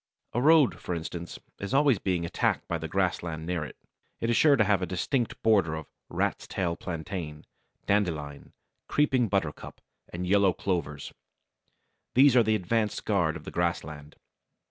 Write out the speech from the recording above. A road, for instance, is always being attacked by the grassland near it. It is sure to have a distinct border of Rat's Tail Plantain, Dandelion, Creeping Buttercup, and Yellow Clovers. These are the advanced guard of the grassland.